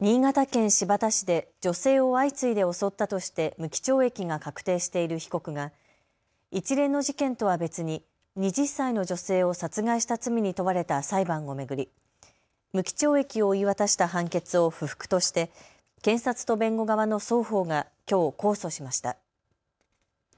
新潟県新発田市で女性を相次いで襲ったとして無期懲役が確定している被告が一連の事件とは別に２０歳の女性を殺害した罪に問われた裁判を巡り、無期懲役を言い渡した判決を不服として検察と弁護側の双方がきょう、控訴しました。